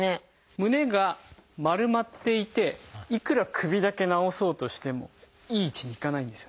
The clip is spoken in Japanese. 胸が丸まっていていくら首だけ直そうとしてもいい位置にいかないんですよ。